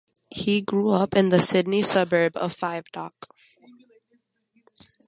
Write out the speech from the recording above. He grew up in the Sydney suburb of Five Dock.